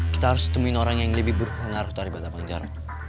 kita harus temuin orang yang lebih berpengaruh daripada pengejaran